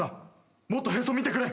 もっとへそ見てくれ。